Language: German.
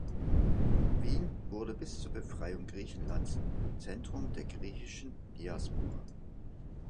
Wien wurde bis zur Befreiung Griechenlands Zentrum der griechischen Diaspora.